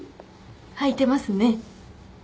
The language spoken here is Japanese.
はいてますね。